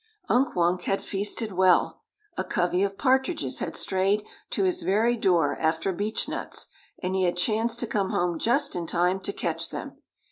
Unk Wunk had feasted well. A covey of partridges had strayed to his very door after beechnuts, and he had chanced to come home just in time to catch them.